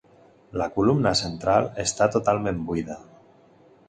La columna central està totalment buida.